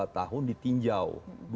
dua tahun ditingjau